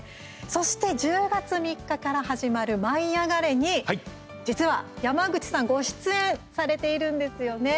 そして、１０月３日から始まる「舞いあがれ！」に実は山口さんご出演されているんですよね。